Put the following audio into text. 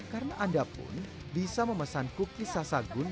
karena anda pun bisa memesan kuki sasagun